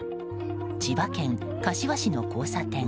千葉県柏市の交差点。